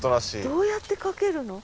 どうやってかけるの？